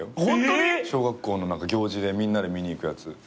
ホントに！？小学校の行事でみんなで見に行くやつ。